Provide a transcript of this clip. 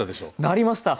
なりました！